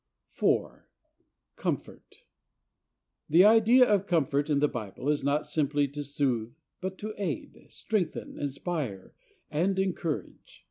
4. Comfort. The idea of comfort in the Bible is not simply to soothe, but to aid, strengthen, inspire and encourage.